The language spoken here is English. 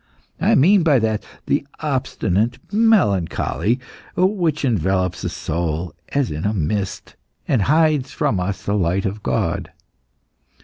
I mean by that the obstinate melancholy which envelopes the soul as in a mist, and hides from us the light of God.